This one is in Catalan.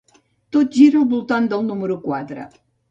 Tot gira al voltant del número quatre.